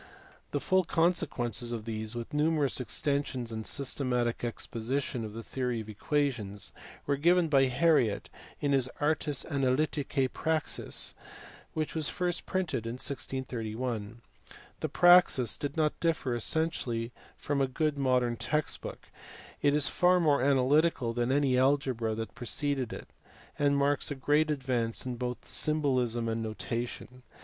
The full consequences of these, with numerous extensions and a systematic exposition of the theory of equa tions, were given by Harriot in his Artis Analyticae Praxis, which was first printed in 1631. The Praxis does not differ essentially from a good modern text book; it is far more analytical than any algebra that preceded it, and marks a great advance both in symbolism and notation.